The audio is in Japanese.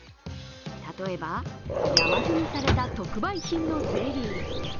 例えば山積みされた特売品のゼリー。